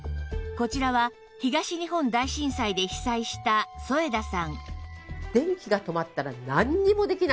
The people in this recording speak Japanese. こちらは東日本大震災で被災した添田さん